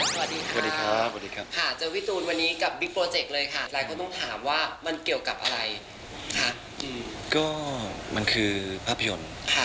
สวัสดีค่ะกับวิบิตโปรเจคเลยค่ะว่ามันเกี่ยวกับอะไรเหรอจะมันคือภาพยนต์